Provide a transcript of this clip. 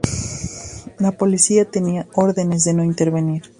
La policía tenía órdenes de no intervenir.